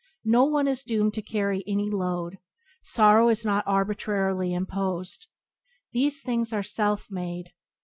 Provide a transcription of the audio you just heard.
No one is doomed to carry any load. Sorrow is not arbitrarily imposed. These things are self made.